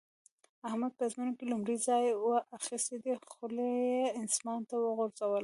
احمد په ازموينه کې لومړی ځای اخيستی دی؛ خولۍ يې اسمان ته وغورځوله.